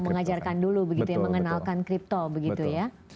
mengajarkan dulu begitu ya mengenalkan kripto begitu ya